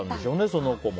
その子も。